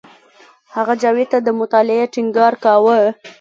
هغه جاوید ته د مطالعې ټینګار کاوه